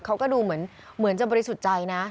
เขาก็ดูเหมือนจะบริสุจัยนะ